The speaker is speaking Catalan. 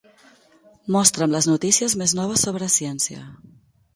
Mostra'm les notícies més noves sobre ciència.